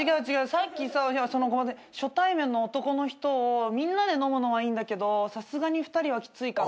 さっきさ初対面の男の人をみんなで飲むのはいいんだけどさすがに２人はきついかな。